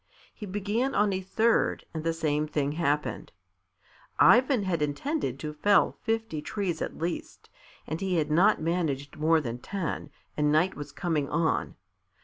He began on a third and the same thing happened. Ivan had intended to fell fifty trees at least, and he had not managed more than ten, and night was coming on.